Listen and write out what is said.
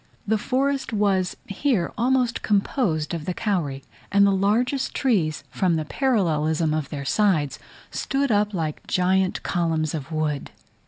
The forest was here almost composed of the kauri; and the largest trees, from the parallelism of their sides, stood up like gigantic columns of wood.